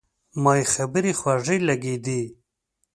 ما یې خبرې خوږې لګېدې.